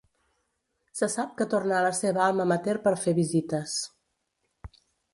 Se sap que torna a la seva alma mater per fer visites.